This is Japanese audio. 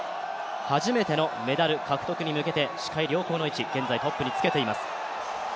初めてのメダル獲得に向けて視界良好の位置、現在トップにつけています。